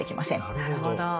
なるほど。